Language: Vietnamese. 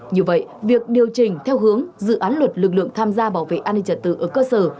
như vậy việc điều chỉnh theo hướng dự án luật lực lượng tham gia bảo vệ an ninh trật tự ở cơ sở